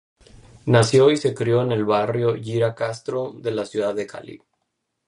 Nació y se crio en el barrio Yira Castro de la ciudad de Cali.